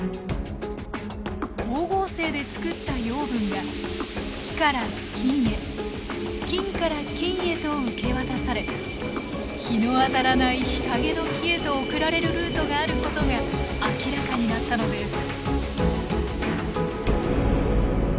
光合成で作った養分が木から菌へ菌から菌へと受け渡され日の当たらない日陰の木へと送られるルートがあることが明らかになったのです。